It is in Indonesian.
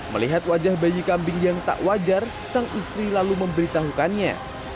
melihat wajah bayi kambing yang tak wajar sang istri lalu memberitahukannya